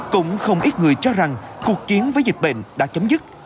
cũng không ít người cho rằng cuộc chiến với dịch bệnh đã chấm dứt